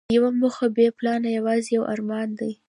یوه موخه بې پلانه یوازې یو ارمان دی.